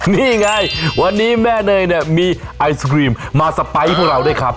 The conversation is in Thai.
นี่ไงวันนี้แม่เนยเนี่ยมีไอศครีมมาสไปร์พวกเราด้วยครับ